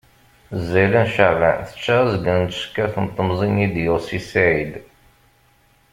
Zzayla n Ceɛban, tečča azgen n tcekkaṛt n temẓin i d-yuɣ Si Saɛid.